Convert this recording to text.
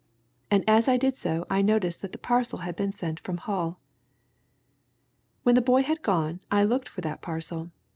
And as I did so I noticed that the parcel had been sent from Hull. "When the boy had gone I looked for that parcel.